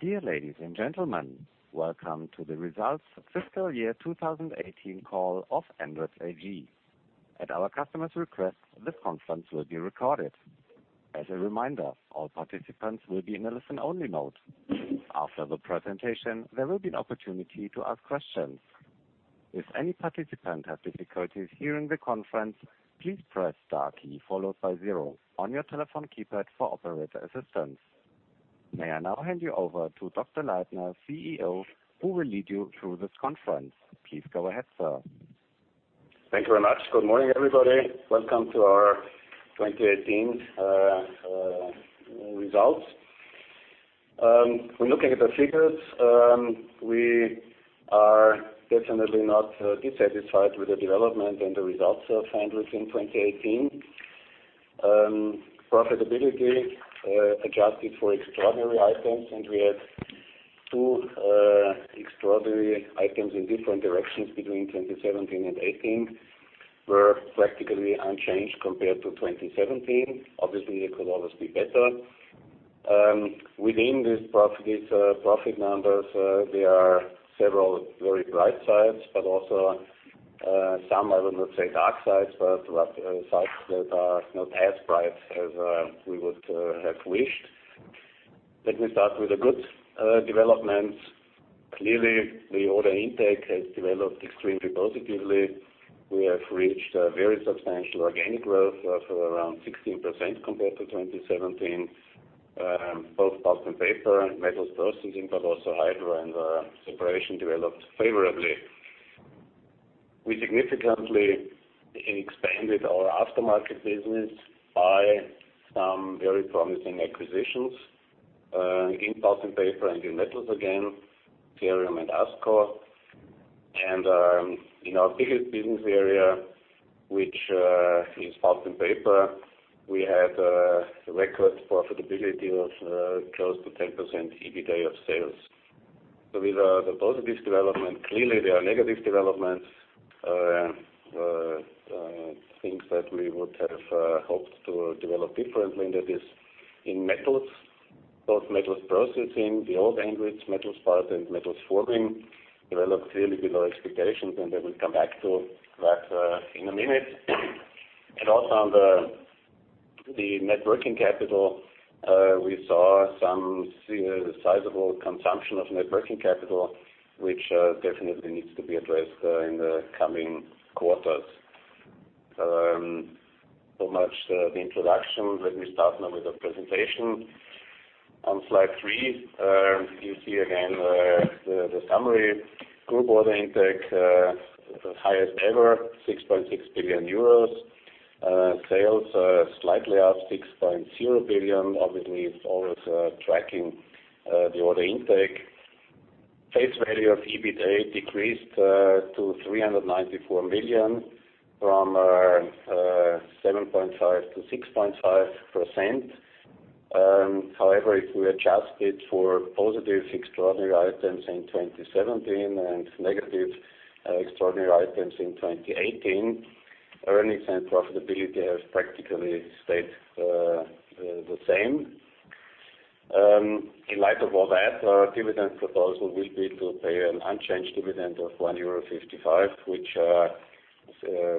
Dear ladies and gentlemen, welcome to the results fiscal year 2018 call of Andritz AG. At our customer's request, this conference will be recorded. As a reminder, all participants will be in a listen-only mode. After the presentation, there will be an opportunity to ask questions. If any participant has difficulties hearing the conference, please press star key followed by 0 on your telephone keypad for operator assistance. May I now hand you over to Wolfgang Leitner, CEO, who will lead you through this conference. Please go ahead, sir. Thank you very much. Good morning, everybody. Welcome to our 2018 results. When looking at the figures, we are definitely not dissatisfied with the development and the results of Andritz in 2018. Profitability, adjusted for extraordinary items, and we had 2 extraordinary items in different directions between 2017 and 2018, were practically unchanged compared to 2017. Obviously, it could always be better. Within these profit numbers, there are several very bright sides, but also some, I would not say dark sides, but sides that are not as bright as we would have wished. Let me start with the good developments. Clearly, the order intake has developed extremely positively. We have reached a very substantial organic growth of around 16% compared to 2017, both Pulp and Paper, Metals processing, but also Hydro and Separation developed favorably. We significantly expanded our aftermarket business by some very promising acquisitions in Pulp and Paper and in metals again, Xerium and ASKO. In our biggest business area, which is Pulp and Paper, we had a record profitability of close to 10% EBITDA of sales. With the positive development, clearly, there are negative developments, things that we would have hoped to develop differently, and that is in metals. Both metals processing, the old Andritz metals part and metals forging, developed clearly below expectations, and I will come back to that in a minute. Also on the net working capital, we saw some sizable consumption of net working capital, which definitely needs to be addressed in the coming quarters. Much the introduction. Let me start now with the presentation. On slide three, you see again the summary. Group order intake was highest ever, 6.6 billion euros. Sales are slightly up 6.0 billion, obviously it's always tracking the order intake. Face value of EBITDA decreased to 394 million from 7.5% to 6.5%. However, if we adjust it for positive extraordinary items in 2017 and negative extraordinary items in 2018, earnings and profitability have practically stayed the same. In light of all that, our dividend proposal will be to pay an unchanged dividend of 1.55 euro, which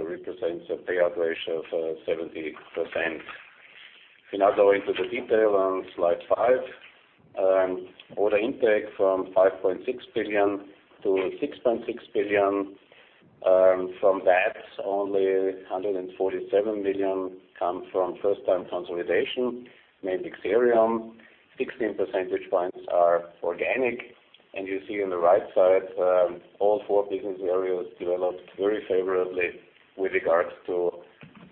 represents a payout ratio of 70%. We now go into the detail on slide five. Order intake from 5.6 billion to 6.6 billion. From that, only 147 million come from first-time consolidation, mainly Xerium. 16 percentage points are organic, you see on the right side, all four business areas developed very favorably with regards to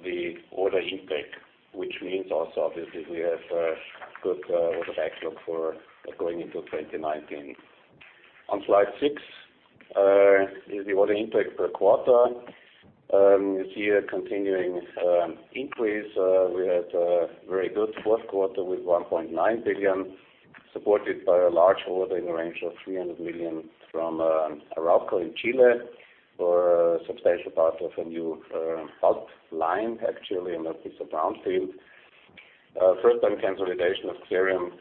the order intake, which means also obviously we have a good order backlog for going into 2019. On slide six is the order intake per quarter. You see a continuing increase. We had a very good fourth quarter with 1.9 billion, supported by a large order in the range of 300 million from Arauco in Chile for a substantial part of a new pulp line, actually, and that is a brownfield. First-time consolidation of Xerium,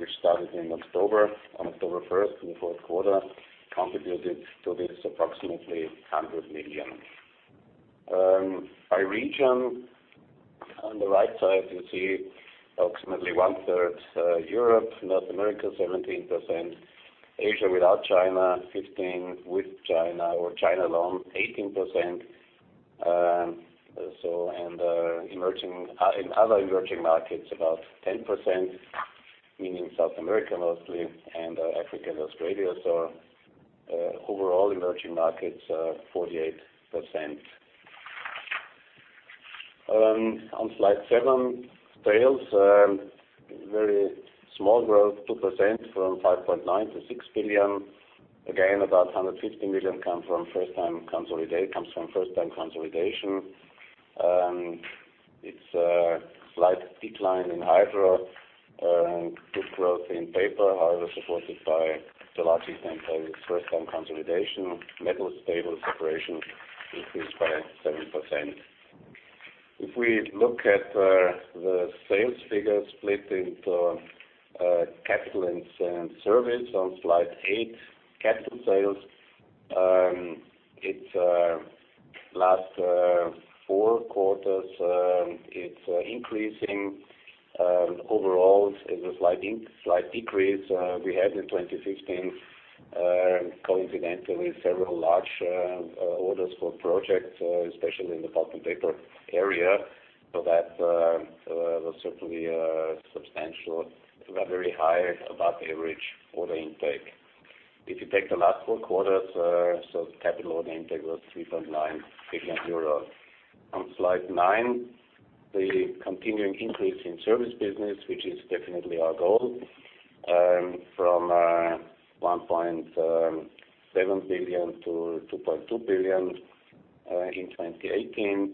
which started in October, on October 1st in the fourth quarter, contributed to this approximately 100 million. By region, on the right side, you see approximately one-third Europe, North America, 17%, Asia without China, 15%, with China or China alone, 18%, and other emerging markets, about 10%, meaning South America, mostly, and Africa and Australia. Overall, emerging markets are 48%. On slide seven, sales. Very small growth, 2% from 5.9 billion to 6 billion. Again, about 150 million comes from first-time consolidation. It's a slight decline in Hydro. Good growth in paper, however, supported by Fibre Excellence Saint-Gaudens' first-time consolidation. Metals stable. Separation increased by 7%. We look at the sales figures split into capital and service on slide eight. Capital sales, its last four quarters, it's increasing. Overall, it's a slight decrease we had in 2016, coincidentally several large orders for projects, especially in the Pulp and Paper area. That was certainly substantial. We got very high above-average order intake. If you take the last four quarters, capital order intake was 3.9 billion euro. On slide nine, the continuing increase in service business, which is definitely our goal, from 1.7 billion to 2.2 billion in 2018.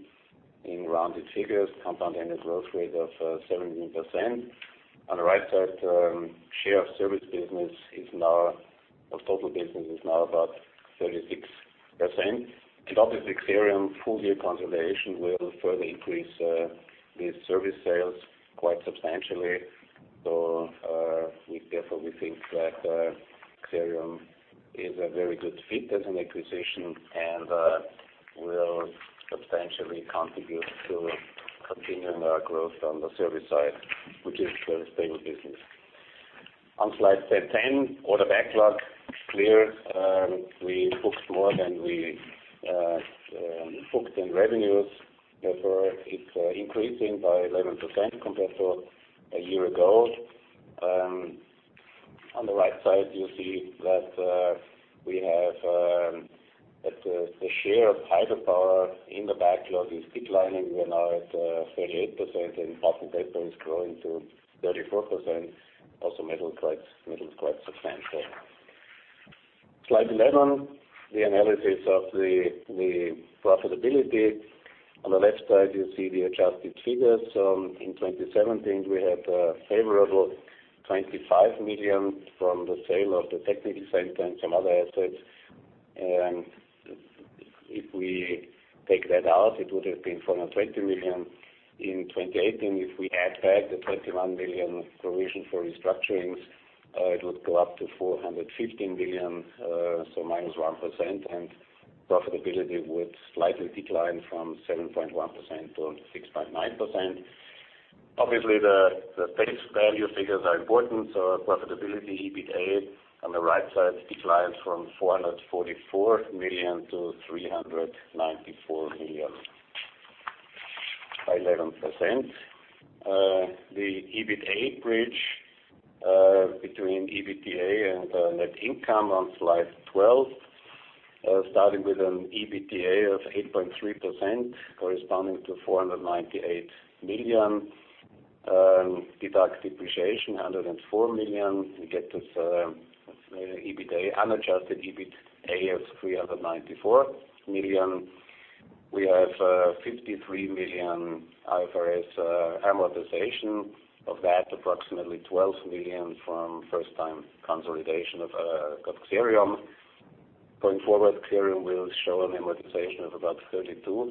In rounded figures, compound annual growth rate of 17%. On the right side, share of service business of total business is now about 36%. Obviously, Xerium full year consolidation will further increase the service sales quite substantially. We therefore think that Xerium is a very good fit as an acquisition and will substantially contribute to continuing our growth on the service side, which is a very stable business. On slide 10, order backlog. It's clear we booked more than we booked in revenues. Therefore, it's increasing by 11% compared to a year ago. On the right side, you see that the share of hydropower in the backlog is declining. We're now at 38% and Pulp and Paper is growing to 34%. Also metals quite substantial. Slide 11, the analysis of the profitability. On the left side, you see the adjusted figures. In 2017, we had a favorable 25 million from the sale of the technical center and some other assets. We take that out, it would have been 420 million. In 2018, we add back the 21 million provision for restructurings, it would go up to 415 million, so -1%, and profitability would slightly decline from 7.1%-6.9%. Obviously, the face value figures are important, profitability, EBITA, on the right side declines from 444 million to 394 million by 11%. The EBITA bridge between EBITDA and net income on slide 12, starting with an EBITDA of 8.3% corresponding to 498 million. Deduct depreciation, 104 million, we get this unadjusted EBITA of 394 million. We have 53 million IFRS amortization. Of that, approximately 12 million from first-time consolidation of Xerium. Going forward, Xerium will show an amortization of about 32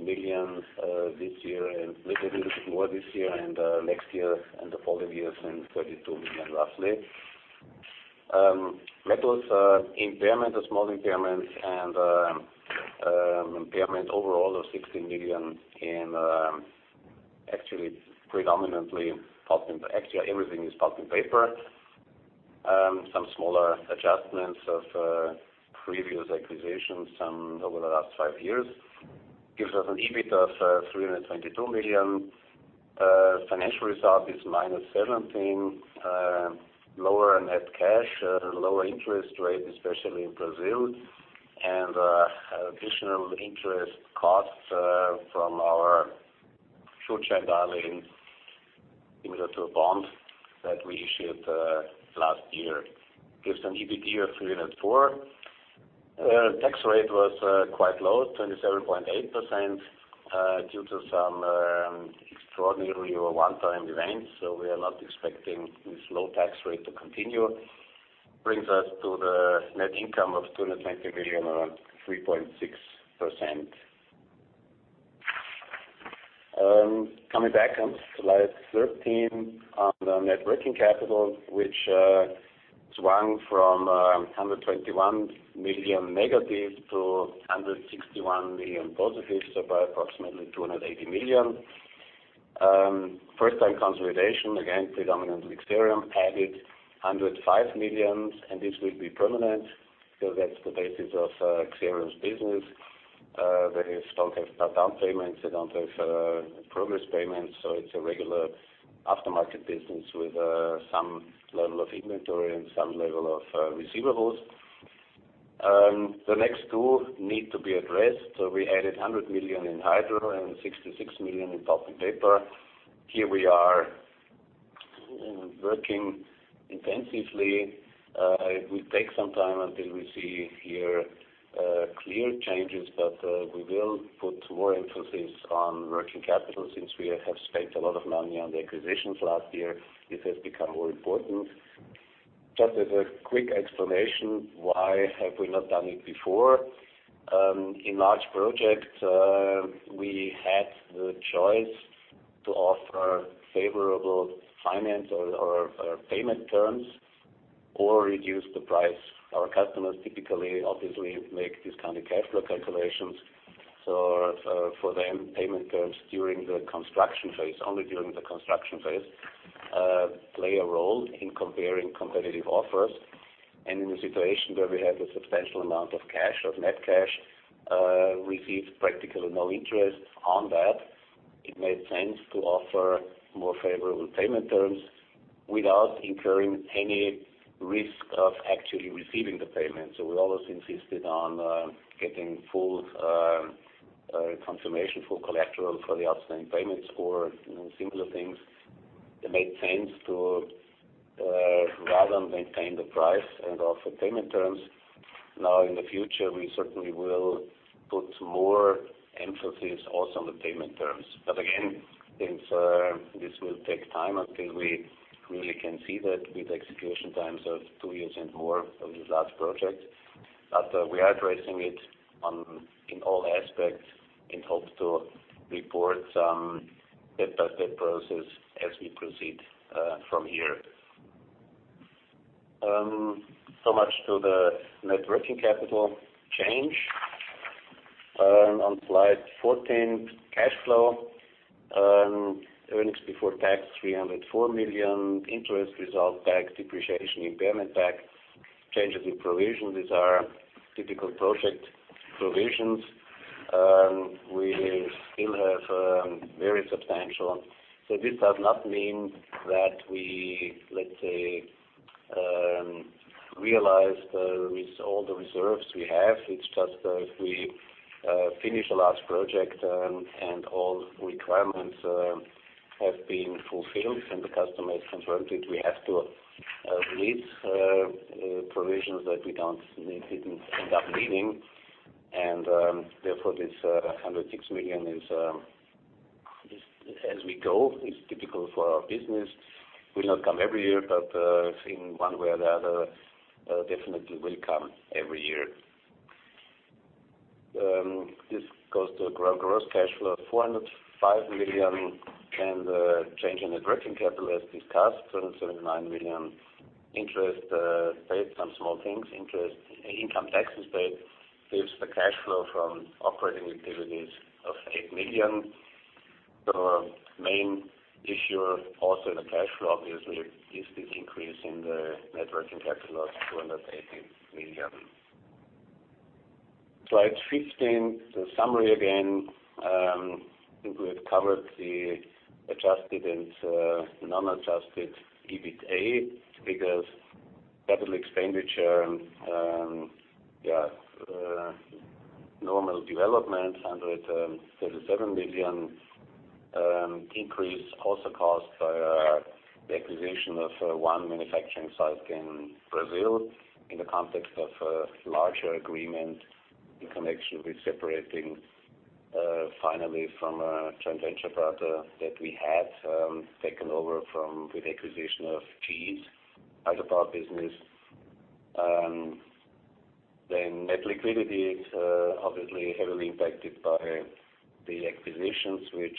million this year and a little bit more this year and next year and the following years than 32 million, roughly. Metals impairment, a small impairment and impairment overall of 16 million in predominantly Pulp and Paper. Some smaller adjustments of previous acquisitions over the last five years gives us an EBIT of 322 million. Financial result is minus 17. Lower net cash, lower interest rate, especially in Brazil, and additional interest costs from our short-term borrowing similar to a bond that we issued last year. Gives an EBIT of 304. Tax rate was quite low, 27.8%, due to some extraordinary or one-time events. We are not expecting this low tax rate to continue. Brings us to the net income of 220 million or 3.6%. Coming back on slide 13 on the net working capital, which swung from 121 million negative to 161 million positive, by approximately 280 million. First-time consolidation, again, predominantly Xerium, added 105 million. This will be permanent because that's the basis of Xerium's business. They don't have down payments. They don't have progress payments. It's a regular aftermarket business with some level of inventory and some level of receivables. The next two need to be addressed. We added 100 million in Hydro and 66 million in Pulp and Paper. Here we are working intensively. It will take some time until we see clear changes, but we will put more emphasis on working capital since we have spent a lot of money on the acquisitions last year. This has become more important. Just as a quick explanation, why have we not done it before? In large projects, we had the choice to offer favorable finance or payment terms or reduce the price. Our customers typically, obviously, make these kind of cash flow calculations. For them, payment terms during the construction phase, only during the construction phase, play a role in comparing competitive offers. In a situation where we have a substantial amount of net cash, receive practically no interest on that, it made sense to offer more favorable payment terms without incurring any risk of actually receiving the payment. We always insisted on getting full confirmation for collateral for the outstanding payments or similar things. It made sense to rather maintain the price and offer payment terms. In the future, we certainly will put more emphasis also on the payment terms. Again, I think this will take time until we really can see that with execution times of two years and more on these large projects. We are addressing it in all aspects and hope to report some step-by-step process as we proceed from here. Much to the net working capital change. On slide 14, cash flow. Earnings before tax, 304 million. Interest result, tax depreciation, impairment tax, changes in provisions. These are typical project provisions. We still have very substantial. This does not mean that we, let's say, realized all the reserves we have. It's just that if we finish the last project and all requirements have been fulfilled and the customer has confirmed it, we have to release provisions that we didn't end up needing. Therefore, this 106 million is as we go, is typical for our business. Will not come every year, I think one way or the other, definitely will come every year. This goes to gross cash flow of 405 million and the change in the working capital as discussed, 279 million. Interest paid, some small things. Income taxes paid gives the cash flow from operating activities of 8 million. The main issue, also the cash flow, obviously, is this increase in the net working capital of 218 million. Slide 15, the summary again. I think we have covered the adjusted and non-adjusted EBITA because capital expenditure and normal development, 137 million increase also caused by the acquisition of one manufacturing site in Brazil in the context of a larger agreement in connection with separating finally from a joint venture partner that we had taken over with acquisition of GE's hydropower business. Net liquidity is obviously heavily impacted by the acquisitions, which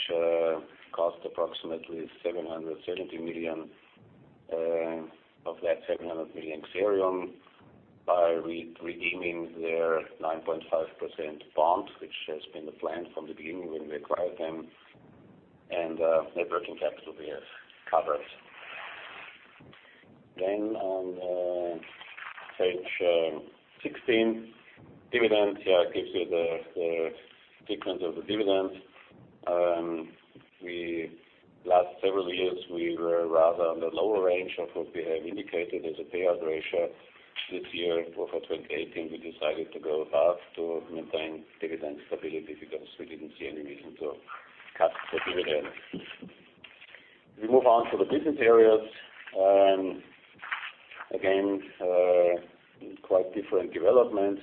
cost approximately 770 million of that 700 million Xerium by redeeming their 9.5% bond, which has been the plan from the beginning when we acquired them, and net working capital we have covered. On page 16, dividend. Here I give you the sequence of the dividends. Last several years, we were rather on the lower range of what we have indicated as a payout ratio. This year, for 2018, we decided to go up to maintain dividend stability because we didn't see any reason to cut the dividend. We move on to the business areas. Again, quite different developments.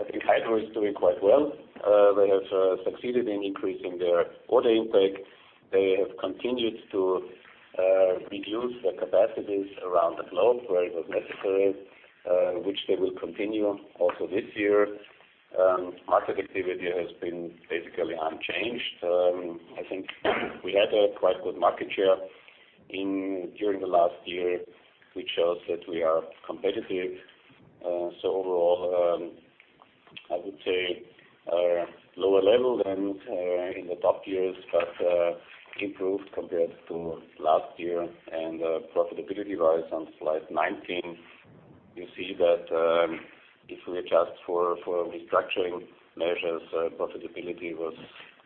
I think Hydro is doing quite well. They have succeeded in increasing their order intake. They have continued to reduce their capacities around the globe where it was necessary, which they will continue also this year. Market activity has been basically unchanged. I think we had a quite good market share during the last year, which shows that we are competitive. Overall, I would say a lower level than in the top years, but improved compared to last year. Profitability-wise, on slide 19, you see that if we adjust for restructuring measures, profitability was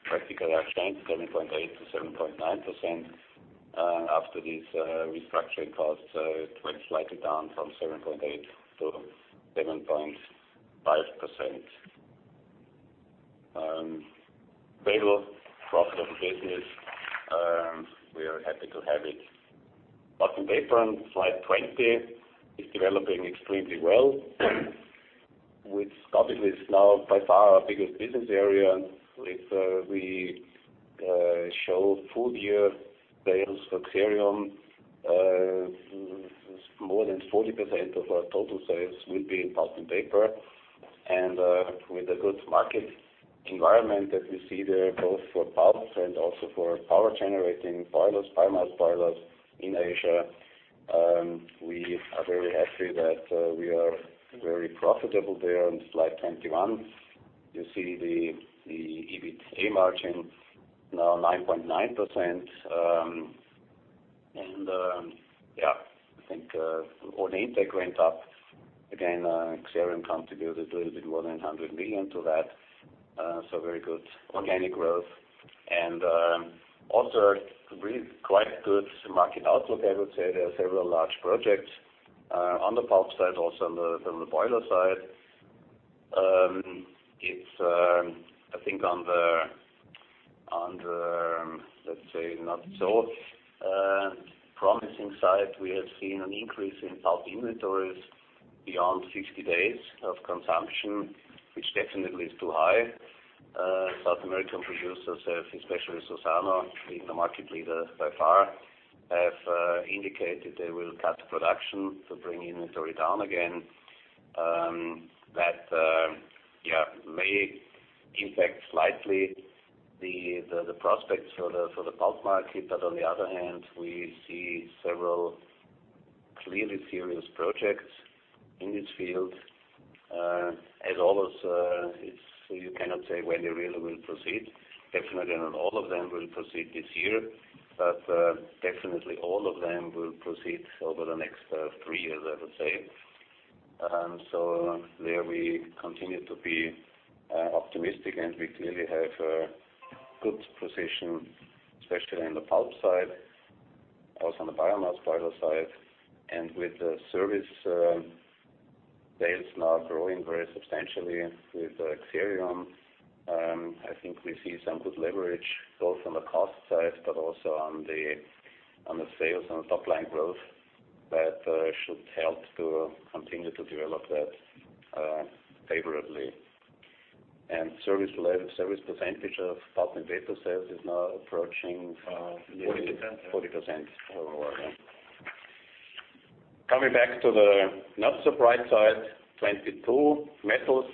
practically unchanged, 7.8%-7.9%. After these restructuring costs, it went slightly down from 7.8%-7.5%. Stable profit of business. We are happy to have it. Pulp and Paper on slide 20 is developing extremely well, which obviously is now by far our biggest business area. If we show full-year sales for Xerium, more than 40% of our total sales will be Pulp and Paper. With a good market environment that we see there, both for pulp and also for power-generating boilers, biomass boilers in Asia, we are very happy that we are very profitable there. On slide 21, you see the EBITDA margin now 9.9%. I think order intake went up again. Xerium contributed a little bit more than 100 million to that. Very good organic growth. Also really quite good market outlook, I would say. There are several large projects on the pulp side, also on the boiler side. I think on the, let's say, not so promising side, we have seen an increase in pulp inventories beyond 60 days of consumption, which definitely is too high. South American producers have, especially Suzano, being the market leader by far, have indicated they will cut production to bring inventory down again. That may impact slightly the prospects for the pulp market. On the other hand, we see several clearly serious projects in this field. As always, you cannot say when they really will proceed. Definitely not all of them will proceed this year, but definitely all of them will proceed over the next three years, I would say. There we continue to be optimistic, we clearly have a good position, especially on the pulp side, also on the biomass boiler side. With the service sales now growing very substantially with Xerium, I think we see some good leverage, both on the cost side, but also on the sales and the top-line growth that should help to continue to develop that favorably. Service percentage of Pulp and Paper sales is now approaching. 40% 40% overall. Coming back to the not-so-bright side, 22, metals.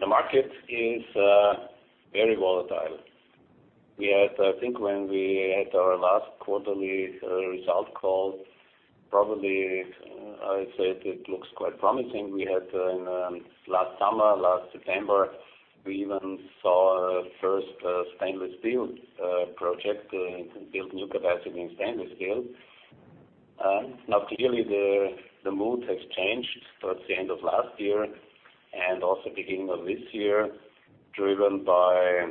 The market is very volatile. I think when we had our last quarterly result call, probably I said it looks quite promising. Last summer, last September, we even saw our first stainless steel project to build new capacity in stainless steel. Clearly, the mood has changed towards the end of last year and also beginning of this year, driven by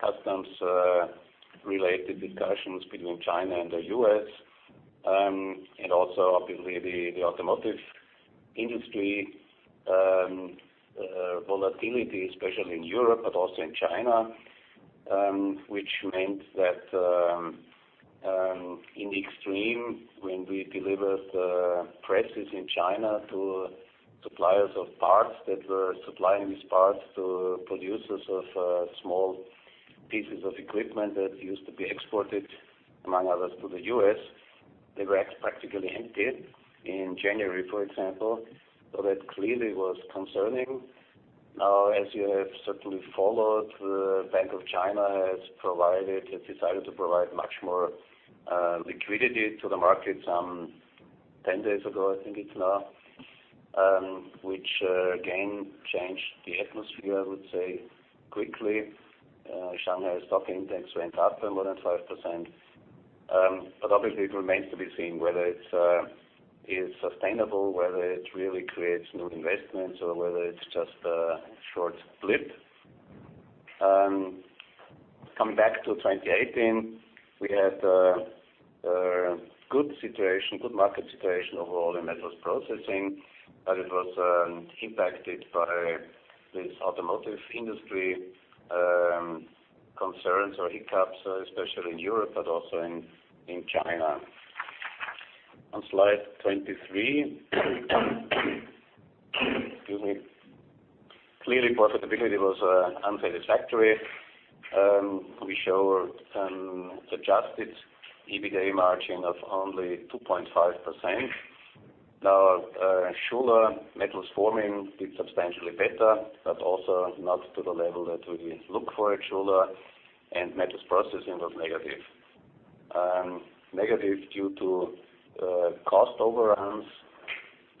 customs-related discussions between China and the U.S., and also, obviously, the automotive industry volatility, especially in Europe, but also in China. Which meant that in the extreme, when we delivered presses in China to suppliers of parts that were supplying these parts to producers of small pieces of equipment that used to be exported, among others, to the U.S., they were practically empty in January, for example. That clearly was concerning. As you have certainly followed, the Bank of China has decided to provide much more liquidity to the market some 10 days ago, I think it is now, which again changed the atmosphere, I would say, quickly. Shanghai Composite Index went up more than 5%. Obviously, it remains to be seen whether it's sustainable, whether it really creates new investments, or whether it's just a short blip. Coming back to 2018, we had a good market situation overall in metals processing, but it was impacted by these automotive industry concerns or hiccups, especially in Europe, but also in China. On slide 23, excuse me. Clearly, profitability was unsatisfactory. We show some adjusted EBITDA margin of only 2.5%. Schuler Metals Forming did substantially better, but also not to the level that we look for at Schuler, and metals processing was negative. Negative due to cost overruns.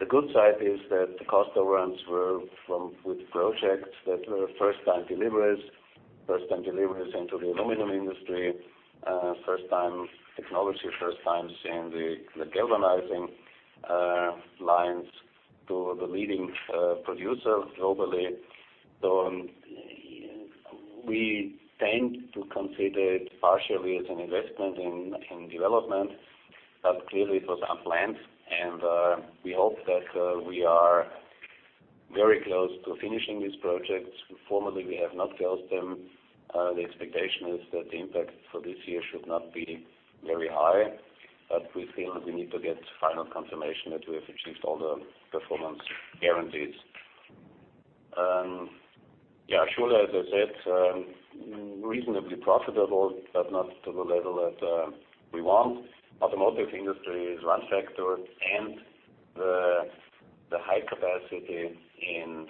The good side is that the cost overruns were with projects that were first-time deliveries. First-time deliveries into the aluminum industry, technology first times in the galvanizing lines to the leading producer globally. We tend to consider it partially as an investment in development, but clearly it was unplanned, and we hope that we are very close to finishing these projects. Formally, we have not closed them. The expectation is that the impact for this year should not be very high. But we think we need to get final confirmation that we have achieved all the performance guarantees. Schuler, as I said, reasonably profitable, but not to the level that we want. Automotive industry is one factor and the high capacity in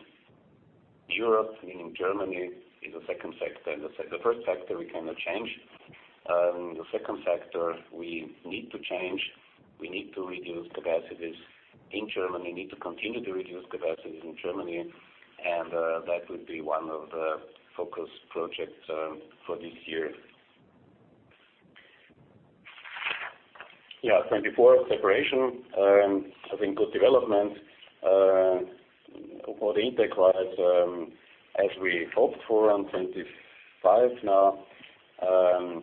Europe, meaning Germany, is a second factor. The first factor we cannot change. The second factor we need to change, we need to reduce capacities in Germany, need to continue to reduce capacities in Germany, and that will be one of the focus projects for this year. 2024 separation, I think good development. Order intake-wise, as we hoped for on slide 25 now, and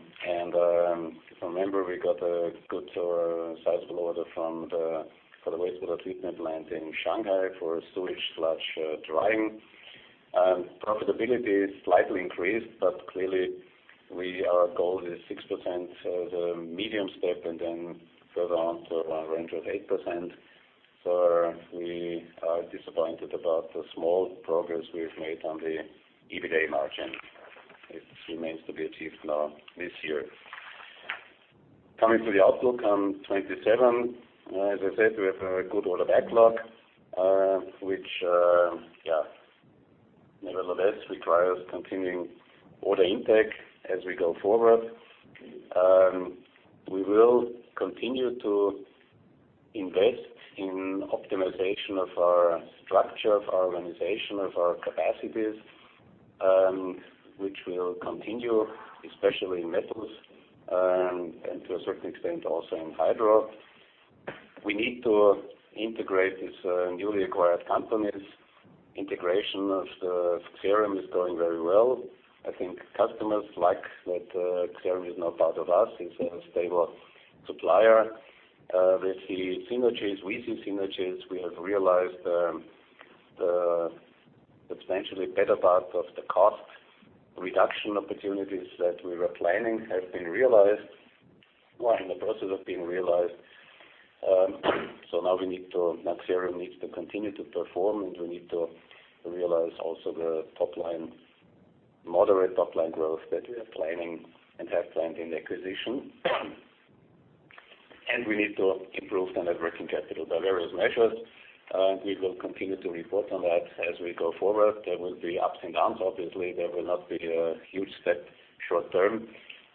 if you remember, we got a good sizable order for the wastewater treatment plant in Shanghai for sewage sludge drying. Profitability is slightly increased, but clearly our goal is 6%, the medium step and then further on to a range of 8%. We are disappointed about the small progress we've made on the EBITA margin. It remains to be achieved now this year. Coming to the outlook on slide 27, as I said, we have a good order backlog, which nevertheless requires continuing order intake as we go forward. We will continue to invest in optimization of our structure, of our organization, of our capacities, which will continue, especially in metals, and to a certain extent, also in Hydro. We need to integrate these newly acquired companies. Integration of the Xerium is going very well. I think customers like that Xerium is now part of us, is a stable supplier. We see synergies. We have realized the substantially better part of the cost reduction opportunities that we were planning have been realized or are in the process of being realized. Now Xerium needs to continue to perform, and we need to realize also the moderate top-line growth that we are planning and have planned in the acquisition. We need to improve the net working capital by various measures. We will continue to report on that as we go forward. There will be ups and downs. Obviously, there will not be a huge step short term,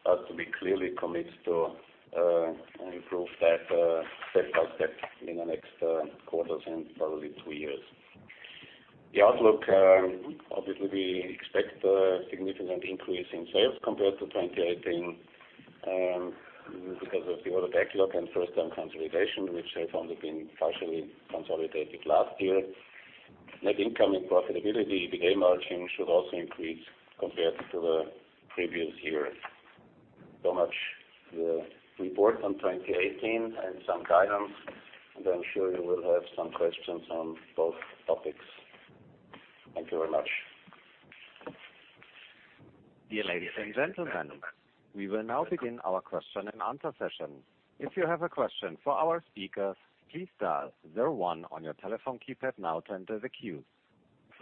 but we clearly commit to improve that step by step in the next quarters and probably two years. The outlook, obviously, we expect a significant increase in sales compared to 2018, because of the order backlog and first-time consolidation, which has only been partially consolidated last year. Net income and profitability, EBITA margin should also increase compared to the previous year. Much the report on 2018 and some guidance, and I'm sure you will have some questions on both topics. Thank you very much. Dear ladies and gentlemen, we will now begin our question and answer session. If you have a question for our speakers, please dial zero one on your telephone keypad now to enter the queue.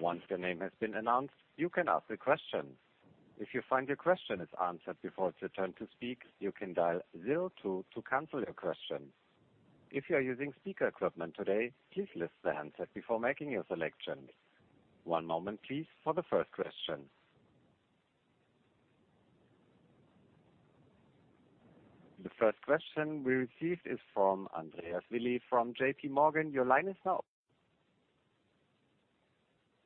Once your name has been announced, you can ask a question. If you find your question is answered before it's your turn to speak, you can dial zero two to cancel your question. If you are using speaker equipment today, please lift the handset before making your selections. One moment please for the first question. The first question we received is from Andreas Willi from J.P. Morgan. Your line is now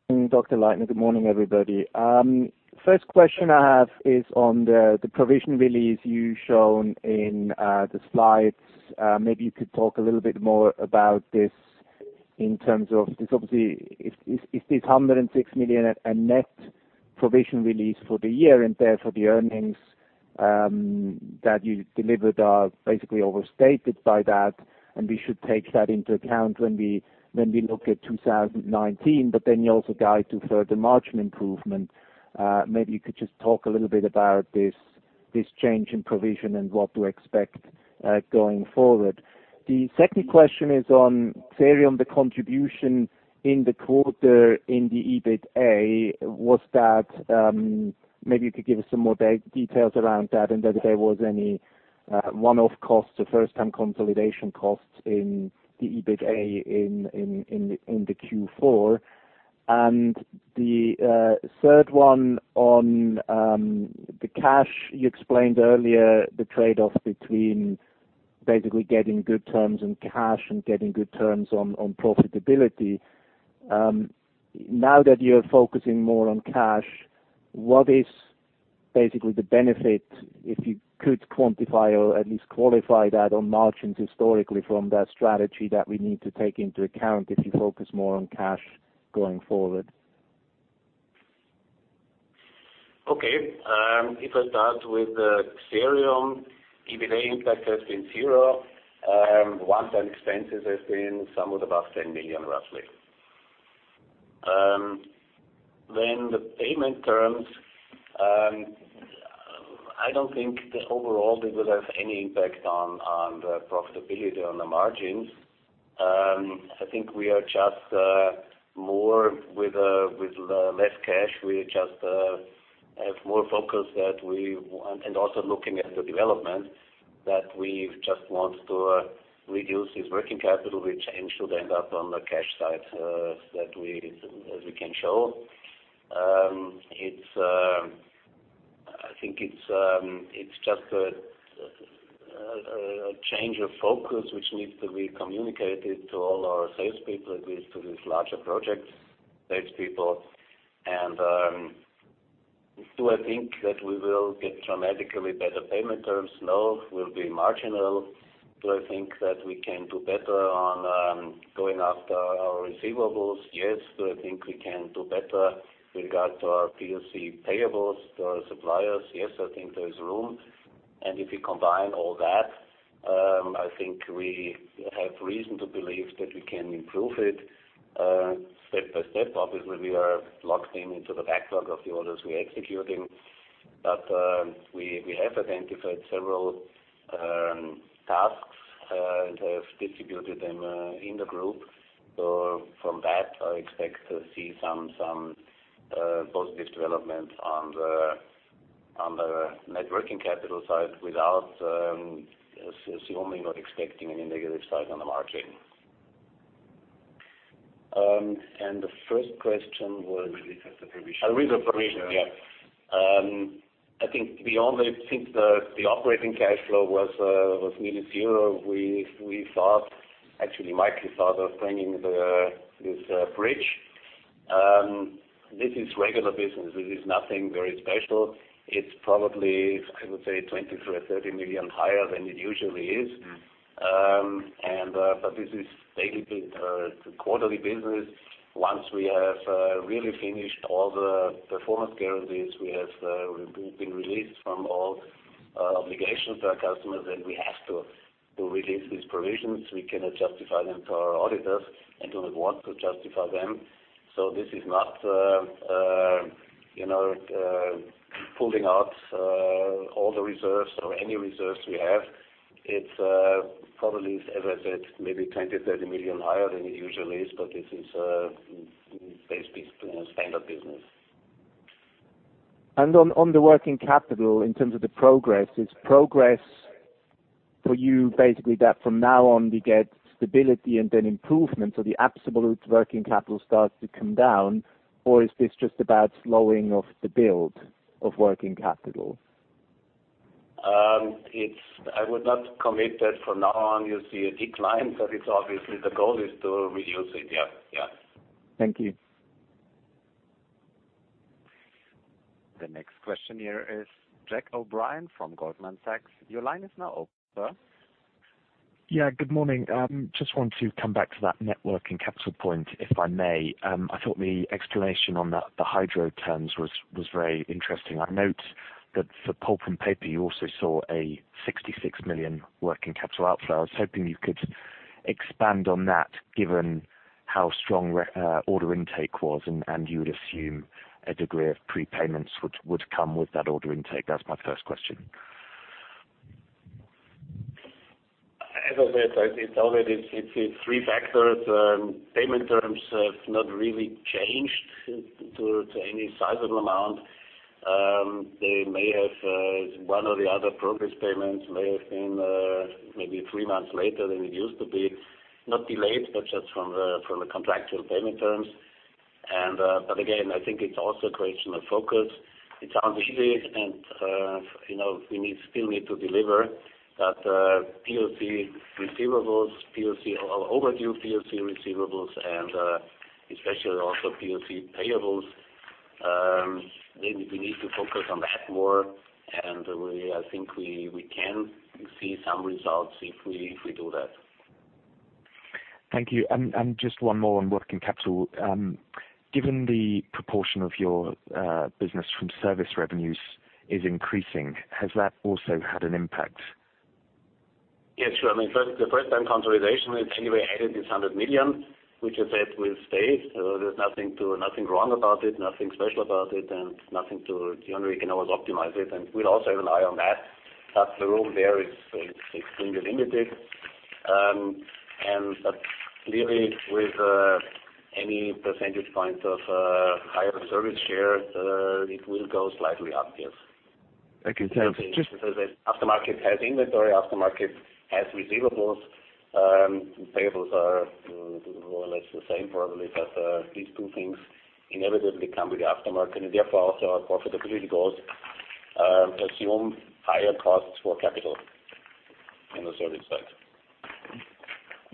open. Wolfgang Leitner, good morning, everybody. First question I have is on the provision release you shown in the slides. Maybe you could talk a little bit more about this in terms. Is this 106 million a net provision release for the year and therefore the earnings that you delivered are basically overstated by that, and we should take that into account when we look at 2019? You also guide to further margin improvement. Maybe you could just talk a little bit about this change in provision and what to expect going forward. The second question is on Xerium, the contribution in the quarter in the EBITA. Maybe you could give us some more details around that and whether there was any one-off costs or first-time consolidation costs in the EBITA in the Q4. The third one on the cash. You explained earlier the trade-off between basically getting good terms on cash and getting good terms on profitability. Now that you're focusing more on cash, what is basically the benefit if you could quantify or at least qualify that on margins historically from that strategy that we need to take into account if you focus more on cash going forward? Okay. If I start with the Xerium, EBITA impact has been zero. One-time expenses has been somewhat above 10 million, roughly. The payment terms, I don't think that overall it will have any impact on the profitability or on the margins. I think we are just more with less cash. We just have more focus that we want, and also looking at the development, that we just want to reduce this working capital, which in turn should end up on the cash side as we can show. I think it's just a change of focus, which needs to be communicated to all our salespeople, at least to these larger project-based people. Do I think that we will get dramatically better payment terms? No. Will it be marginal? Do I think that we can do better on going after our receivables? Yes. Do I think we can do better with regard to our POC payables to our suppliers? Yes, I think there is room. If you combine all that, I think we have reason to believe that we can improve it step by step. Obviously, we are locked into the backlog of the orders we are executing. We have identified several tasks and have distributed them in the group. From that, I expect to see some positive development on the net working capital side without assuming or expecting any negative side on the margin. The first question was? Release of the provision. Release of provision. Yeah. I think beyond, I think the operating cash flow was nearly zero. Actually, Mike thought of bringing this bridge. This is regular business. This is nothing very special. It's probably, I would say 20 million to 30 million higher than it usually is. This is basically the quarterly business. Once we have really finished all the performance guarantees, we have been released from all obligations to our customers, then we have to release these provisions. We cannot justify them to our auditors and do not want to justify them. This is not pulling out all the reserves or any reserves we have. It's probably, as I said, maybe 20 million, 30 million higher than it usually is, but this is basically standard business. On the working capital, in terms of the progress, is progress for you basically that from now on we get stability and then improvement, so the absolute working capital starts to come down? Is this just about slowing of the build of working capital? I would not commit that from now on you see a decline, but it's obviously the goal is to reduce it. Yeah. Thank you. The next question here is Jack O'Brien from Goldman Sachs. Your line is now open, sir. Yeah, good morning. Just want to come back to that net working capital point, if I may. I thought the explanation on the Hydro terms was very interesting. I note that for Pulp and Paper, you also saw a 66 million working capital outflow. I was hoping you could expand on that given how strong order intake was and you would assume a degree of prepayments which would come with that order intake. That's my first question. As I said, it's always three factors. Payment terms have not really changed to any sizable amount. One or the other progress payments may have been maybe three months later than it used to be. Not delayed, just from a contractual payment terms. Again, I think it also a question of focus. It sounds easy and we still need to deliver. POC receivables, overdue POC receivables, and especially also POC payables, maybe we need to focus on that more and I think we can see some results if we do that. Thank you. Just one more on working capital. Given the proportion of your business from service revenues is increasing, has that also had an impact? Yes. Sure. I mean, the first-time consolidation, it's anyway added this 100 million, which I said will stay. There's nothing wrong about it, nothing special about it, and nothing to. Generally, we can always optimize it, and we'll also have an eye on that. The room there is extremely limited. Clearly, with any percentage point of higher service share, it will go slightly up, yes. Okay, thanks. Just. Aftermarket has inventory, aftermarket has receivables. Payables are more or less the same probably, these two things inevitably come with the aftermarket and therefore also our profitability goals assume higher costs for capital in the service side.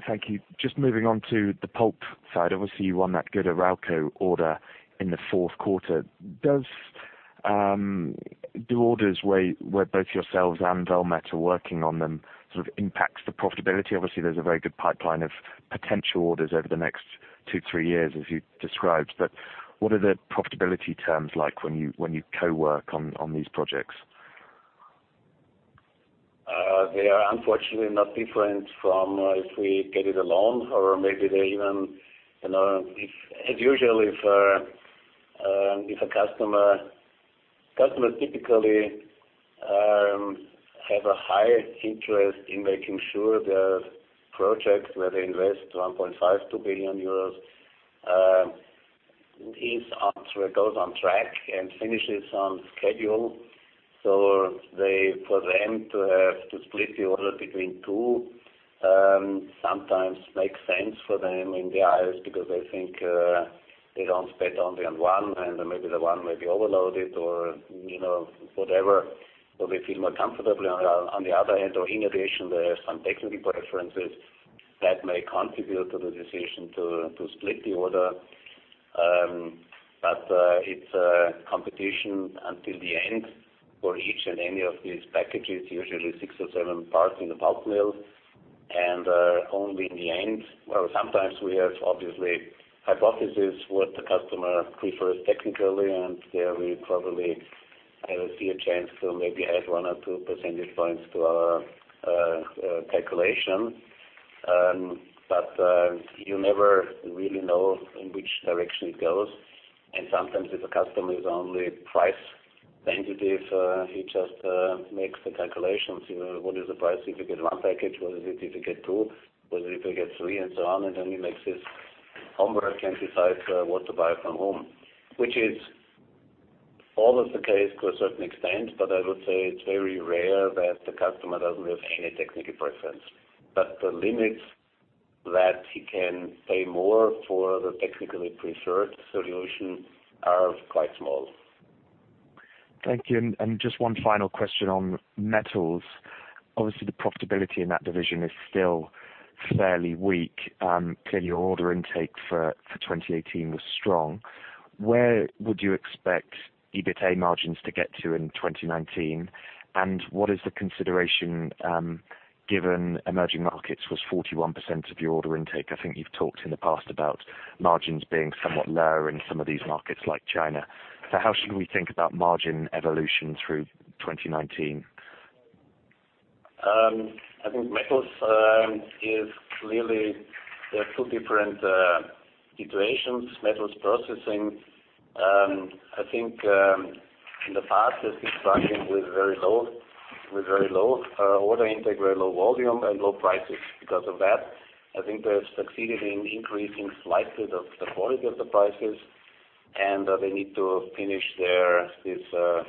Thank you. Just moving on to the pulp side. Obviously, you won that good Arauco order in the fourth quarter. Do orders where both yourselves and Valmet are working on them sort of impacts the profitability? Obviously, there's a very good pipeline of potential orders over the next two, three years as you described. What are the profitability terms like when you co-work on these projects? They are unfortunately not different from if we get it alone or maybe they even, as usually if a customer typically have a high interest in making sure the projects where they invest 1.5 billion euros, 2 billion euros goes on track and finishes on schedule. For them to have to split the order between two sometimes makes sense for them in their eyes because they think they don't bet only on one and maybe the one may be overloaded or whatever. They feel more comfortably on the other hand or in addition, they have some technical preferences that may contribute to the decision to split the order. It's a competition until the end for each and any of these packages, usually six or seven parts in the pulp mill. Sometimes we have obviously hypothesis what the customer prefers technically, and there we probably have a fair chance to maybe add one or two percentage points to our calculation. You never really know in which direction it goes. Sometimes if a customer is only price sensitive he just makes the calculations. What is the price if you get one package? What is it if you get two? What if you get three? And so on. Then he makes his homework and decides what to buy from whom. Which is always the case to a certain extent, but I would say it's very rare that the customer doesn't have any technical preference. The limits that he can pay more for the technically preferred solution are quite small. Thank you. Just one final question on metals. The profitability in that division is still fairly weak. Order intake for 2018 was strong. Where would you expect EBITA margins to get to in 2019? What is the consideration given emerging markets was 41% of your order intake? I think you've talked in the past about margins being somewhat lower in some of these markets like China. How should we think about margin evolution through 2019? I think metals is clearly there are two different situations. Metals processing, I think, in the past has been struggling with very low order intake, very low volume and low prices because of that. I think they have succeeded in increasing slightly the quality of the prices and they need to finish these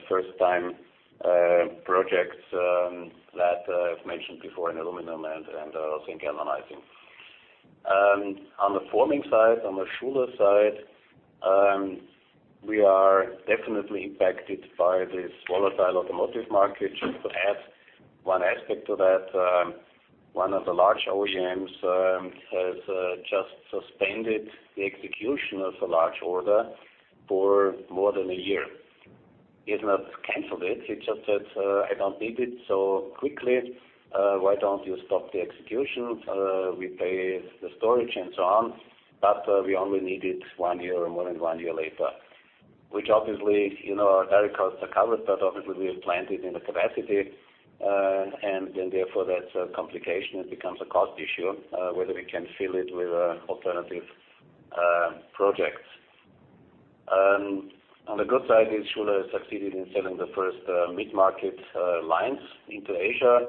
first-time projects that I've mentioned before in aluminum and also in galvanizing. On the forming side, on the Schuler side, we are definitely impacted by this volatile automotive market. Just to add one aspect to that. One of the large OEMs has just suspended the execution of a large order for more than a year. It's not canceled it's just that I don't need it so quickly. Why don't you stop the execution? We pay the storage and so on, but we only need it one year or more than one year later. Our direct costs are covered, but obviously we have planned it in the capacity and then therefore that's a complication. It becomes a cost issue whether we can fill it with alternative projects. On the good side is Schuler succeeded in selling the first mid-market lines into Asia.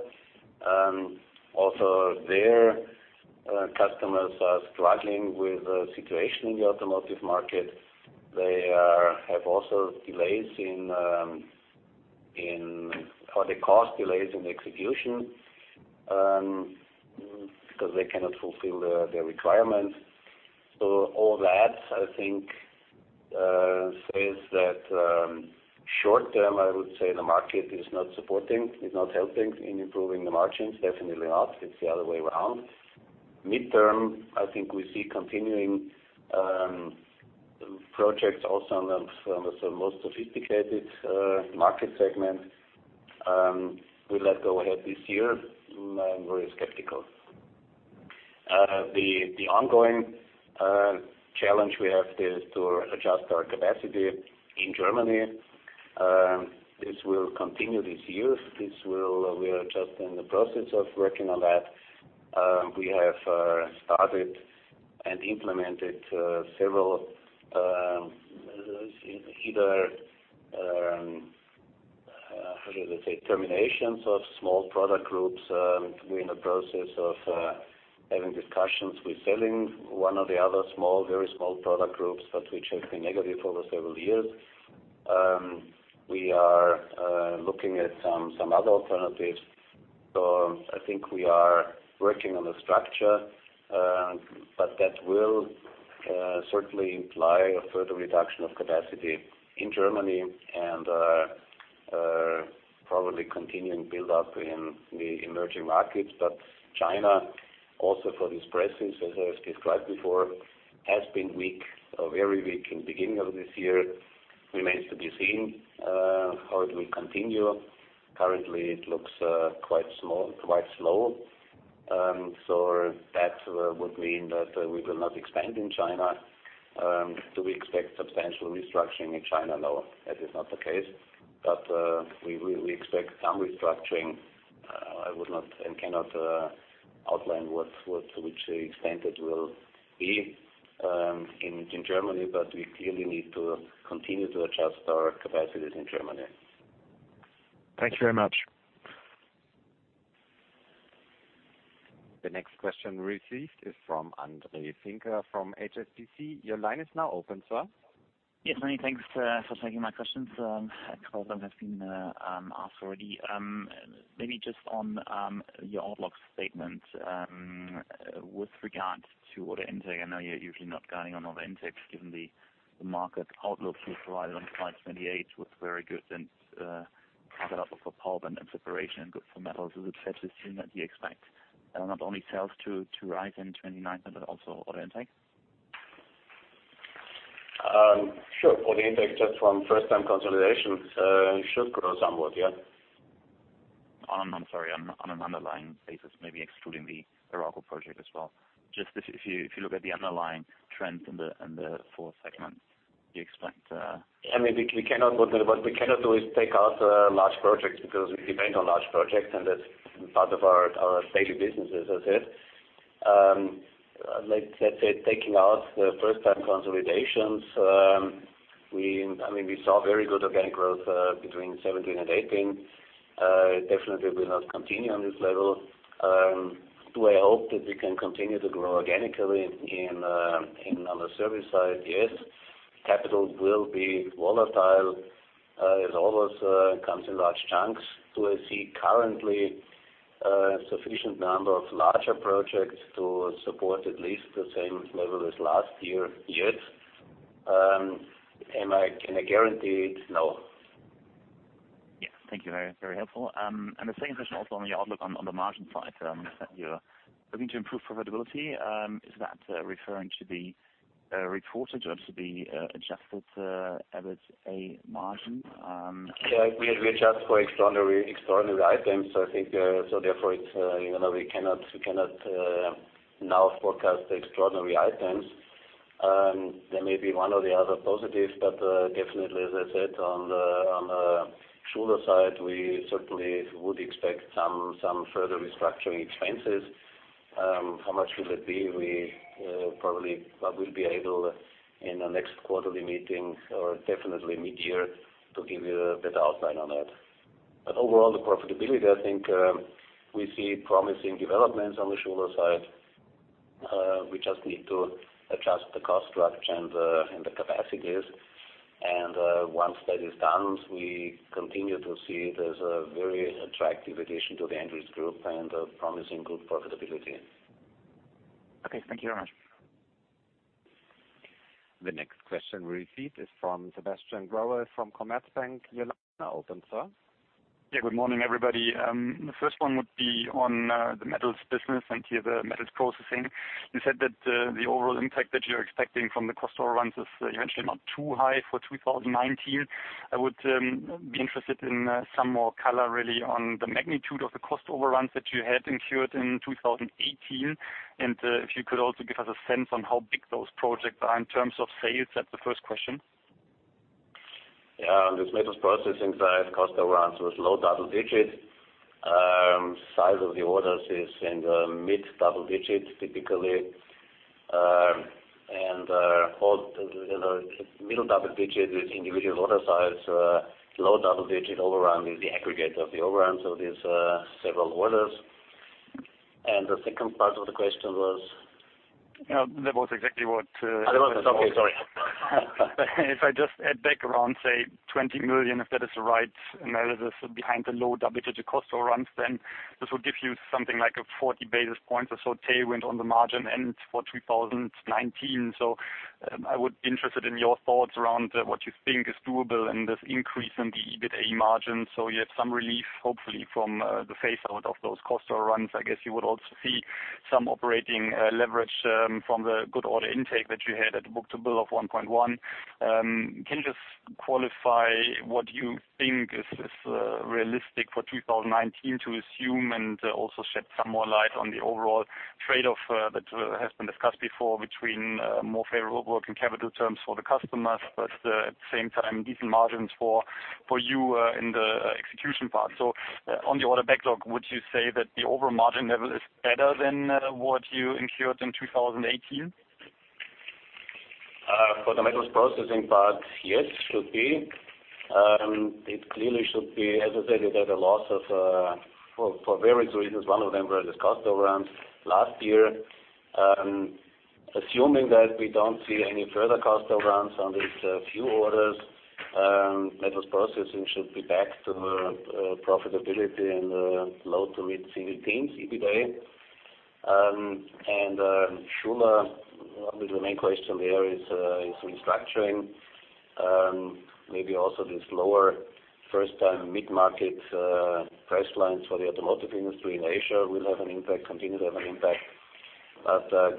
Also, their customers are struggling with the situation in the automotive market. They have also cost delays in execution because they cannot fulfill their requirements. All that I think says that short term, I would say the market is not supporting, is not helping in improving the margins. Definitely not. It's the other way around. Midterm, I think we see continuing projects also on the most sophisticated market segments will not go ahead this year. I'm very skeptical. The ongoing challenge we have is to adjust our capacity in Germany. This will continue this year. We are just in the process of working on that. We have started and implemented several, either, how do you say, terminations of small product groups. We're in the process of having discussions with selling one or the other small, very small product groups, which have been negative for us several years. We are looking at some other alternatives. I think we are working on the structure. That will certainly imply a further reduction of capacity in Germany and probably continuing build-up in the emerging markets. China also for these presses, as I described before, has been weak or very weak in beginning of this year. Remains to be seen how it will continue. Currently, it looks quite slow. That would mean that we will not expand in China. Do we expect substantial restructuring in China? No, that is not the case. We expect some restructuring. I would not and cannot outline to which extent it will be in Germany, but we clearly need to continue to adjust our capacities in Germany. Thank you very much. The next question received is from Andre Finka from HSBC. Your line is now open, sir. Yes. Many thanks for taking my questions. A couple of them have been asked already. Maybe just on your outlook statement. With regards to order intake, I know you're usually not guiding on order intakes, given the market outlook you provided on slide 28 was very good and covered up for pulp and separation, good for metals. Is it fair to assume that you expect not only sales to rise in 29th, but also order intake? Sure. Order intake just from first time consolidations should grow somewhat, yeah. I'm sorry, on an underlying basis, maybe excluding the Arauco project as well. Just if you look at the underlying trends in the fourth segment, do you expect- What we cannot do is take out large projects because we depend on large projects, and that's part of our daily businesses, as is. Let's say, taking out the first time consolidations, we saw very good organic growth between 2017 and 2018. It definitely will not continue on this level. Do I hope that we can continue to grow organically on the service side? Yes. Capital will be volatile. It always comes in large chunks. Do I see currently sufficient number of larger projects to support at least the same level as last year yet? Can I guarantee it? No. Thank you. Very helpful. The second question also on your outlook on the margin side, you are looking to improve profitability. Is that referring to the reported or to the adjusted EBITA margin? We adjust for extraordinary items. Therefore, we cannot now forecast extraordinary items. There may be one or the other positives, but definitely, as I said, on the Schuler side, we certainly would expect some further restructuring expenses. How much will it be? We probably will be able in the next quarterly meeting or definitely mid-year to give you a better outline on that. Overall, the profitability, I think, we see promising developments on the Schuler side. We just need to adjust the cost structure and the capacities. Once that is done, we continue to see it as a very attractive addition to the Andritz Group and a promising good profitability. Thank you very much. The next question we receive is from Sebastian Growe from Commerzbank. Your line open, sir. Good morning, everybody. The first one would be on the metals business and to the metals processing. You said that the overall impact that you are expecting from the cost overruns is eventually not too high for 2019. I would be interested in some more color really on the magnitude of the cost overruns that you had incurred in 2018. If you could also give us a sense on how big those projects are in terms of sales. That's the first question. On this metals processing side, cost overruns was low double digits. Size of the orders is in the mid double digits, typically. Middle double digits with individual order size, low double-digit overrun is the aggregate of the overruns of these several orders. The second part of the question was? That was exactly what- That was. Okay, sorry. If I just add back around, say, 20 million, if that is the right analysis behind the low double-digit cost overruns, this will give you something like a 40 basis points or so tailwind on the margin for 2019. I would be interested in your thoughts around what you think is doable in this increase in the EBITA margin. You have some relief, hopefully, from the phase out of those cost overruns. I guess you would also see some operating leverage from the good order intake that you had at book to bill of 1.1. Can you just qualify what you think is realistic for 2019 to assume and also shed some more light on the overall trade-off that has been discussed before between more favorable working capital terms for the customers, but at the same time, decent margins for you in the execution part. On the order backlog, would you say that the overall margin level is better than what you incurred in 2018? For the metals processing part, yes, should be. It clearly should be. As I said, we had a loss for various reasons. One of them were these cost overruns last year. Assuming that we don't see any further cost overruns on these few orders, metals processing should be back to profitability in the low to mid teens EBITA. Schuler, the main question there is restructuring. Maybe also these lower first-time mid-market price lines for the automotive industry in Asia will have an impact continued.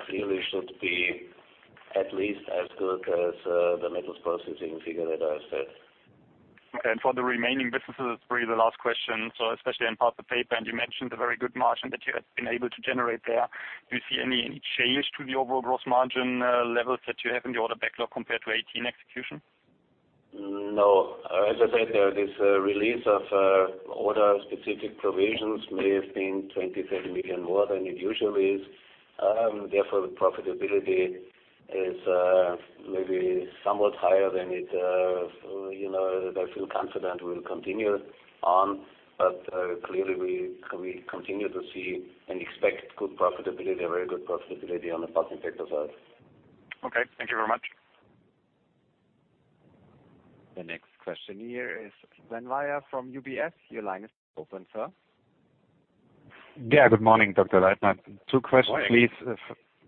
Clearly should be at least as good as the metals processing figure that I've said. For the remaining businesses, this is really the last question. Especially in Paper, and you mentioned the very good margin that you have been able to generate there. Do you see any change to the overall gross margin levels that you have in the order backlog compared to 2018 execution? No. As I said, this release of order-specific provisions may have been 20 million, 30 million more than it usually is. Therefore, profitability is maybe somewhat higher than it. I feel confident will continue on. Clearly, we continue to see and expect good profitability, a very good profitability on the Paper side. Okay. Thank you very much. The next question here is Sven Weier from UBS. Your line is open, sir. Yeah. Good morning, Wolfgang Leitner. Two questions, please.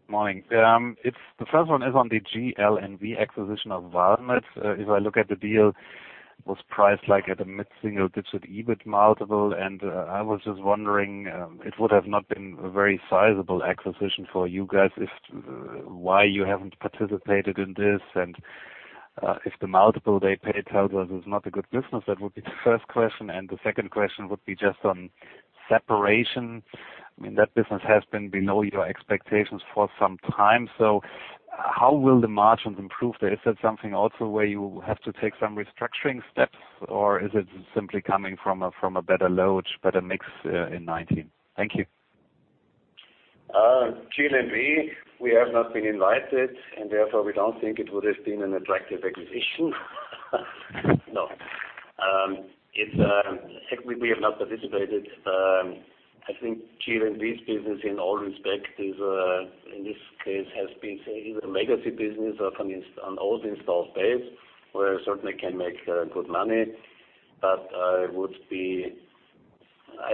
Morning. Morning. The first one is on the GL&V acquisition of Valmet. If I look at the deal, it was priced like at a mid-single-digit EBIT multiple. I was just wondering, it would have not been a very sizable acquisition for you guys. Why you haven't participated in this, and if the multiple they paid tells us it's not a good business? That would be the first question. The second question would be just on separation. I mean, that business has been below your expectations for some time, so how will the margins improve there? Is that something also where you have to take some restructuring steps, or is it simply coming from a better load, better mix in 2019? Thank you. GL&V, we have not been invited, and therefore we don't think it would have been an attractive acquisition. No. We have not participated. I think GL&V's business in all respects is, in this case, has been a legacy business of an old installed base, where certainly can make good money. I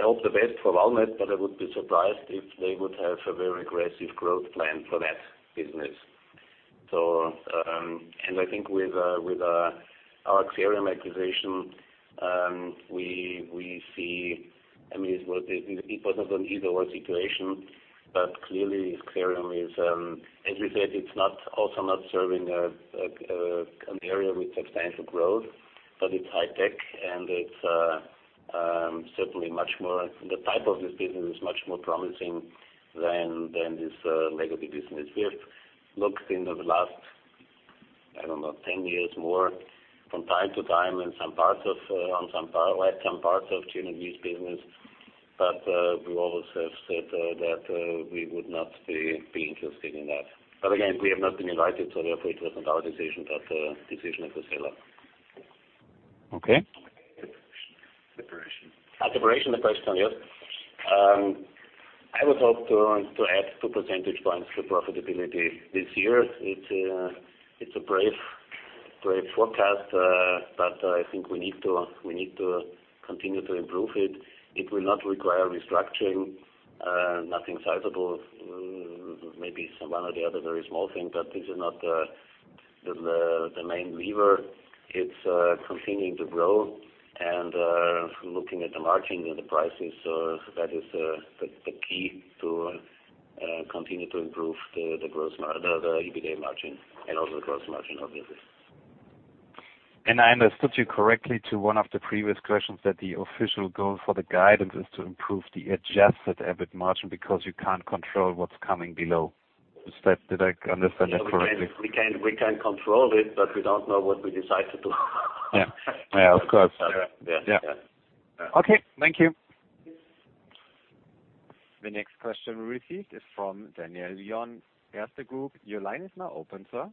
hope the best for Valmet, but I would be surprised if they would have a very aggressive growth plan for that business. I think with our Xerium acquisition, we see, I mean, it wasn't an either/or situation, but clearly Xerium is, as you said, it's also not serving an area with substantial growth, but it's high tech and the type of this business is much more promising than this legacy business. We have looked in the last, I don't know, 10 years, more from time to time on some parts of GL&V's business. We always have said that we would not be interested in that. Again, we have not been invited, so therefore it wasn't our decision, but the decision of the seller. Okay. Separation. Separation, the question, yes. I would hope to add two percentage points to profitability this year. It's a brave forecast, but I think we need to continue to improve it. It will not require restructuring. Nothing sizable. Maybe some one or the other very small thing, but this is not the main lever. It's continuing to grow and looking at the margin and the prices. That is the key to continue to improve the EBITDA margin and also the gross margin, obviously. I understood you correctly to one of the previous questions that the official goal for the guidance is to improve the adjusted EBIT margin because you can't control what's coming below. Did I understand that correctly? We can control it, but we don't know what we decide to do. Yeah. Of course. Yeah. Okay. Thank you. The next question we received is from Daniel Lion, Erste Group. Your line is now open, sir.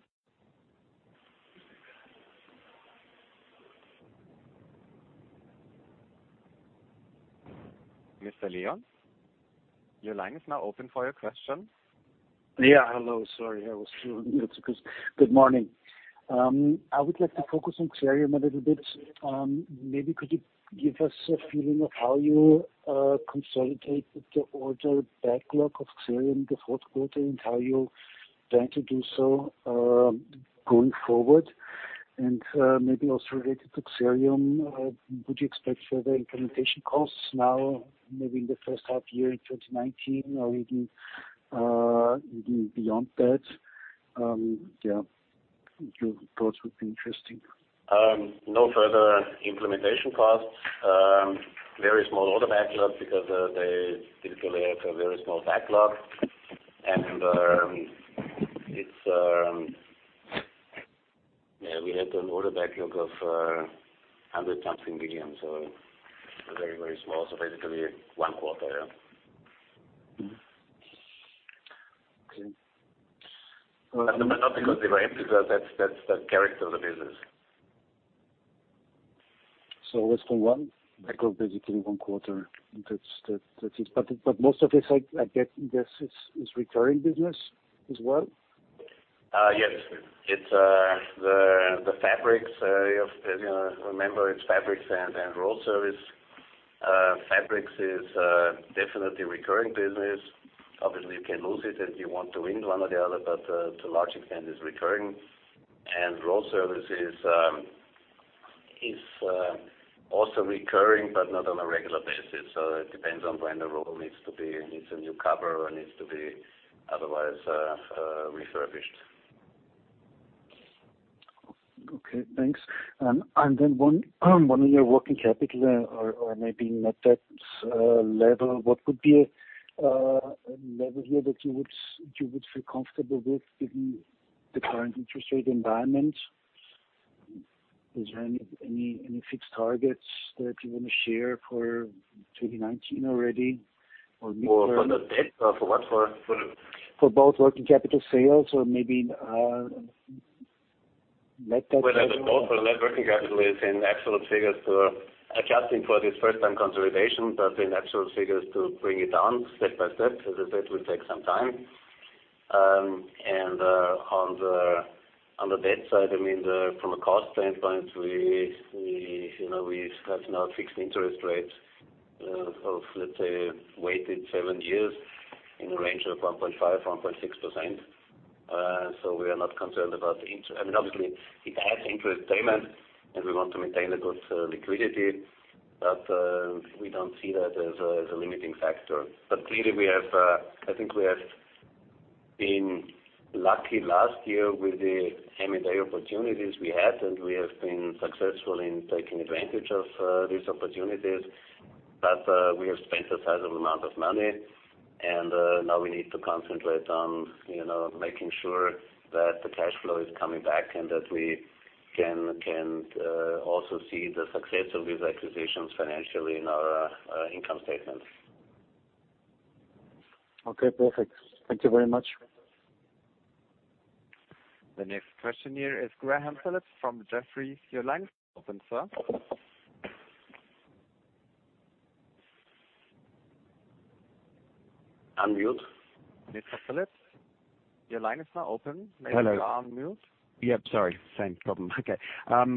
Mr. Lion? Your line is now open for your questions. Yeah. Hello. Sorry, I was muted. Good morning. I would like to focus on Xerium a little bit. Maybe could you give us a feeling of how you consolidated the order backlog of Xerium in the fourth quarter, and how you plan to do so going forward? Maybe also related to Xerium, would you expect further implementation costs now, maybe in the first half year in 2019 or even beyond that? Your thoughts would be interesting. No further implementation costs. Very small order backlog because they typically have a very small backlog. We had an order backlog of 100 something million, very small. Basically one quarter. Okay. Not because they were empty, because that's the character of the business. It was for 1 backlog, basically 1 quarter. Most of this, I guess is recurring business as well? Yes. It's the fabrics. As you remember, it's fabrics and roll service. Fabrics is definitely recurring business. Obviously, you can lose it if you want to win 1 or the other, but the large extent is recurring. Roll service is also recurring, but not on a regular basis. It depends on when the roll needs a new cover or needs to be otherwise refurbished. Okay, thanks. Then 1 on your working capital or maybe net debts level. What would be a level here that you would feel comfortable with given the current interest rate environment? Is there any fixed targets that you want to share for 2019 already? For the debt or for what? For both working capital sales or maybe net- Net working capital is in absolute figures. Adjusting for this first-time consolidation, but in absolute figures to bring it down step by step. As I said, will take some time. On the debt side, from a cost standpoint, we have now fixed interest rates of, let's say, weighted seven years in a range of 1.5%-1.6%. We are not concerned. Obviously, it adds interest payment, and we want to maintain a good liquidity, but we don't see that as a limiting factor. Clearly, I think we have been lucky last year with the M&A opportunities we had, and we have been successful in taking advantage of these opportunities. We have spent a sizable amount of money, and now we need to concentrate on making sure that the cash flow is coming back and that we can also see the success of these acquisitions financially in our income statement. Okay, perfect. Thank you very much. The next question here is Graham Phillips from Jefferies. Your line is open, sir. Unmute. Mr. Phillips, your line is now open. Hello. Maybe you are on mute. Yep. Sorry. Same problem. Okay.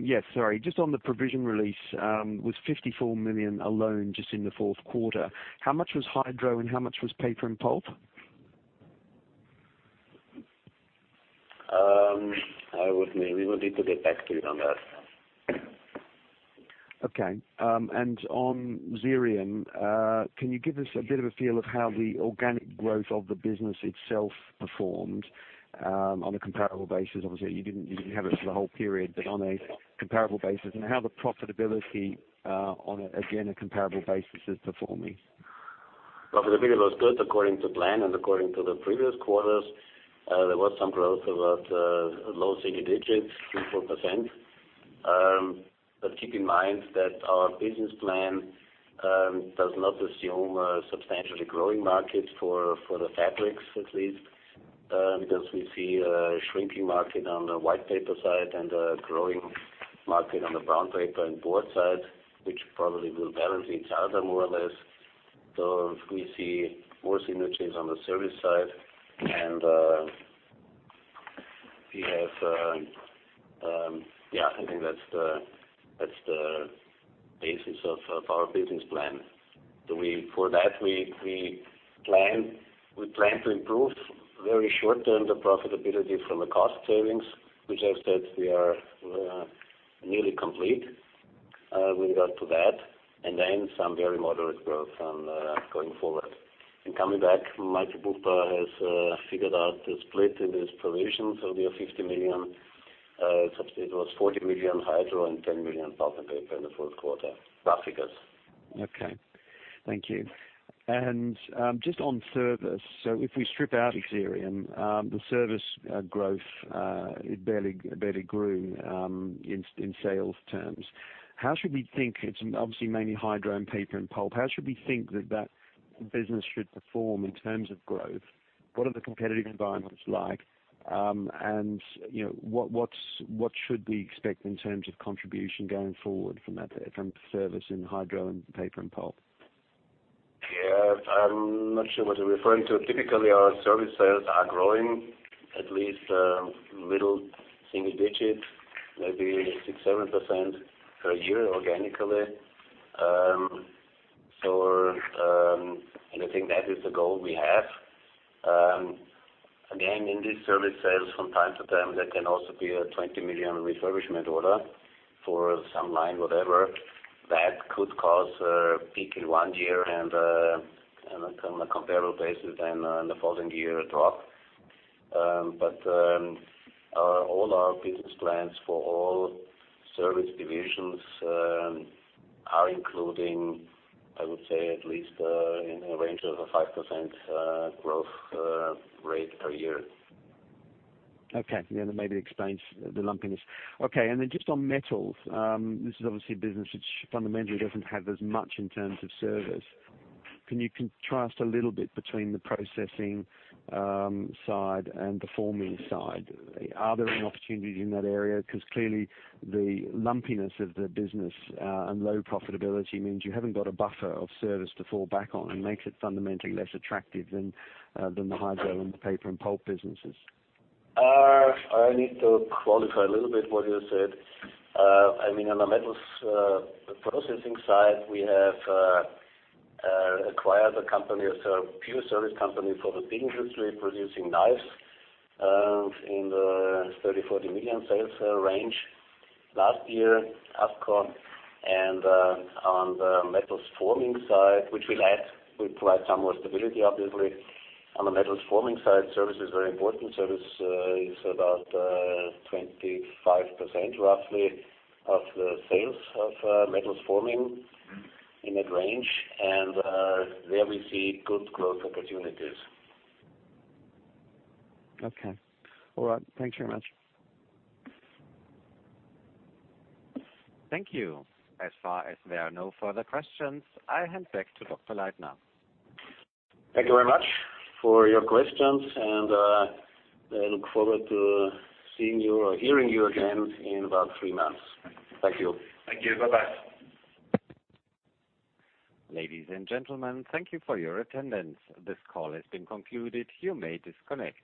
Yes, sorry. Just on the provision release, was 54 million alone just in the fourth quarter. How much was Hydro and how much was Paper and Pulp? We will need to get back to you on that. Okay. On Xerium, can you give us a bit of a feel of how the organic growth of the business itself performed on a comparable basis? Obviously, you didn't have it for the whole period, but on a comparable basis, and how the profitability, on a, again, comparable basis, is performing? Profitability was good according to plan and according to the previous quarters. There was some growth, about low single digits, 3%, 4%. Keep in mind that our business plan does not assume a substantially growing market for the fabrics, at least, because we see a shrinking market on the white paper side and a growing market on the brown paper and board side, which probably will balance each other more or less. We see more synergies on the service side. I think that's the basis of our business plan. For that, we plan to improve very short-term the profitability from the cost savings, which I've said we are nearly complete with regard to that, and then some very moderate growth going forward. Coming back, Michael Buchbauer has figured out the split in this provision, we have 50 million. It was 40 million Hydro and 10 million Pulp and Paper in the fourth quarter. Rough figures. Okay. Thank you. Just on service, if we strip out Xerium, the service growth barely grew in sales terms. It's obviously mainly Hydro and Paper and Pulp. How should we think that that business should perform in terms of growth? What are the competitive environments like? What should we expect in terms of contribution going forward from service in Hydro and Paper and Pulp? Yeah. I'm not sure what you're referring to. Typically, our service sales are growing at least a little single digits, maybe 6%, 7% per year organically. I think that is the goal we have. Again, in these service sales from time to time, there can also be a 20 million refurbishment order for some line, whatever. That could cause a peak in one year and on a comparable basis then in the following year, a drop. All our business plans for all service divisions are including, I would say, at least in a range of a 5% growth rate per year. Okay. Yeah, that maybe explains the lumpiness. Okay. Just on metals. This is obviously a business which fundamentally doesn't have as much in terms of service. Can you contrast a little bit between the processing side and the forming side? Are there any opportunities in that area? Because clearly, the lumpiness of the business and low profitability means you haven't got a buffer of service to fall back on and makes it fundamentally less attractive than the Hydro and Paper and Pulp businesses. I need to qualify a little bit what you said. On the metals processing side, we have acquired a company, a pure service company for the beam industry producing knives in the 30 million-40 million sales range last year, ASKO. On the metals forming side, which will provide some more stability, obviously. On the metals forming side, service is very important. Service is about 25% roughly of the sales of metals forming in that range. There we see good growth opportunities. Okay. All right. Thank you very much. Thank you. As far as there are no further questions, I hand back to Wolfgang Leitner. Thank you very much for your questions, and I look forward to seeing you or hearing you again in about three months. Thank you. Thank you. Bye-bye. Ladies and gentlemen, thank you for your attendance. This call has been concluded. You may disconnect.